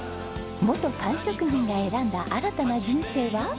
元パン職人が選んだ新たな人生は？